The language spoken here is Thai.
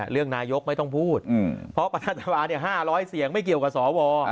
เรื่องนายกไม่ต้องพูดเพราะประธานสภา๕๐๐เสียงไม่เกี่ยวกับสว